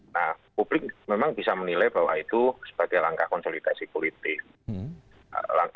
nah publik memang bisa menilai bahwa itu sebagai langkah konsolidasi politik